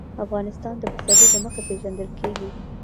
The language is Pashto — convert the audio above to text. افغانستان د پسرلی له مخې پېژندل کېږي.